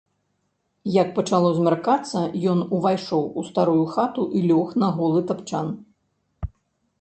Як пачало змяркацца, ён увайшоў у старую хату і лёг на голы тапчан.